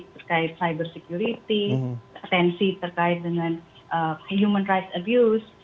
terkait cyber security atensi terkait dengan human rights abuse